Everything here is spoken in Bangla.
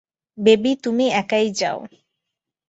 বেবি, তুমি একাই যাও।